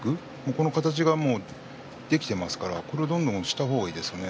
この形ができていますからこれをどんどんした方がいいですね。